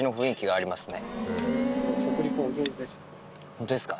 ホントですか？